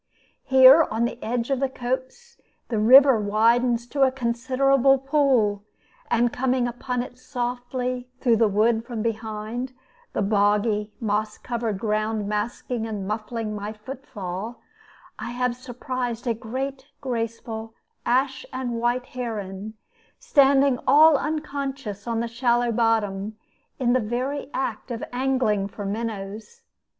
Here, on the edge of the copse, the river widens to a considerable pool, and coming upon it softly through the wood from behind the boggy, moss covered ground masking and muffling my foot fall I have surprised a great, graceful ash and white heron, standing all unconscious on the shallow bottom, in the very act of angling for minnows.